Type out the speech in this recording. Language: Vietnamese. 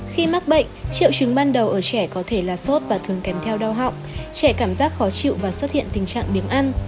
khi mắc bệnh triệu chứng ban đầu ở trẻ có thể là sốt và thường kèm theo đau họng trẻ cảm giác khó chịu và xuất hiện tình trạng biến ăn